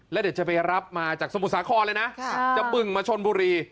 แล้วเดี๋ยวจะไปรับมาจากสมุทรสาครเลยนะจะบึงมาชนบุรี